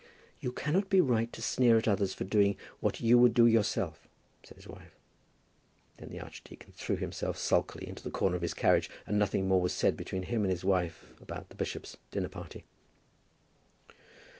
"You cannot be right to sneer at others for doing what you would do yourself," said his wife. Then the archdeacon threw himself sulkily into the corner of his carriage, and nothing more was said between him and his wife about the bishop's dinner party.